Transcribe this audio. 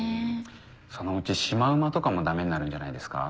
そのうちシマウマとかもダメになるんじゃないですか。